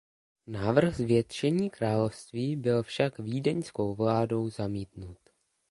Návrh zvětšení království byl však vídeňskou vládou zamítnut.